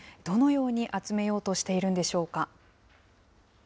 どのように集めようとしているんでしょうか。